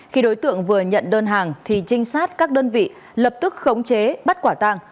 khi đối tượng vừa nhận đơn hàng thì trinh sát các đơn vị lập tức khống chế bắt quả tàng